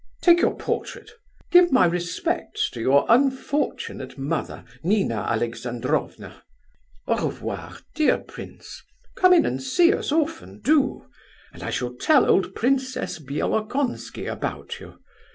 Take your portrait. Give my respects to your unfortunate mother, Nina Alexandrovna. Au revoir, dear prince, come in and see us often, do; and I shall tell old Princess Bielokonski about you.